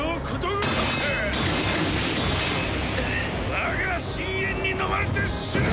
我が深淵に飲まれて死ね！